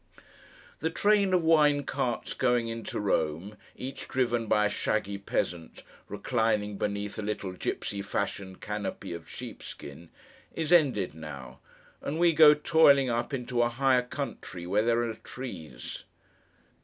The train of wine carts going into Rome, each driven by a shaggy peasant reclining beneath a little gipsy fashioned canopy of sheep skin, is ended now, and we go toiling up into a higher country where there are trees.